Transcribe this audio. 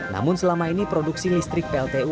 namun selama ini produksi listrik pltu